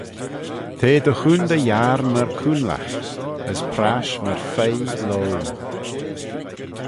T'eh dy choontey yiarn myr coonlagh, as prash myr fuygh loau.